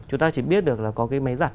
chúng ta chỉ biết được là có cái máy giặt